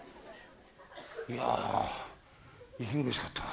いや息苦しかったな。